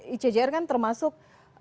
icjr kan termasuk